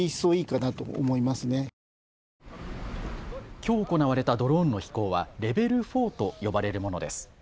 きょう行われたドローンの飛行はレベル４と呼ばれるものです。